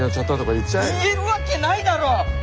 言えるわけないだろ！